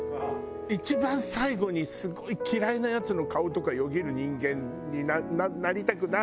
一番最後にすごい嫌いなヤツの顔とかよぎる人間になりたくない。